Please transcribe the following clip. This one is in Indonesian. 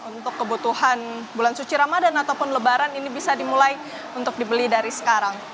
untuk kebutuhan bulan suci ramadan ataupun lebaran ini bisa dimulai untuk dibeli dari sekarang